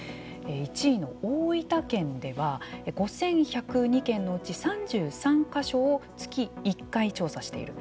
１位の大分県では５１０２件のうち３３か所を月１回調査している。